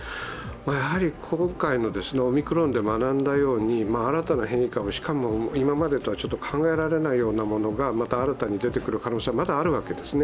やはり今回のオミクロンで学んだように新たな変異株、しかも今までとは考えられないようなものがまた新たに出てくる可能性はまだあるわけですね。